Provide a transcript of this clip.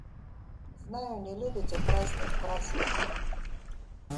Знаю, не любите праздных фраз вы.